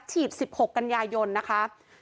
ฉีด๑๖กัณญายนนะคะ